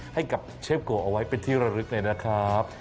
ให้กับเชฟโกเอาไว้เป็นที่ระลึกเลยนะครับ